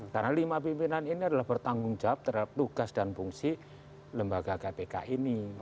karena lima pimpinan ini adalah bertanggung jawab terhadap tugas dan fungsi lembaga kpk ini